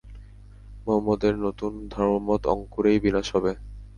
মুহাম্মাদের নতুন ধর্মমত অঙ্কুরেই বিনাশ হবে।